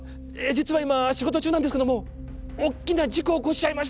「実は今仕事中なんですけどもおっきな事故を起こしちゃいました。